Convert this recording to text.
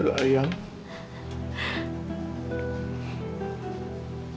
tidak lalu ayah